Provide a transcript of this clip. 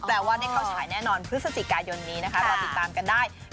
ว่าได้เข้าฉายแน่นอนพฤศจิกายนนี้นะคะรอติดตามกันได้